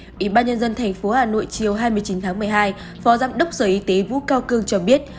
ủy ban nhân dân tp hà nội chiều hai mươi chín tháng một mươi hai phó giám đốc sở y tế vũ cao cương cho biết